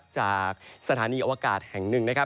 จากสถานีอวกาศแห่งหนึ่งนะครับ